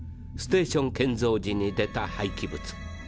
ステーション建造時に出たはいき物。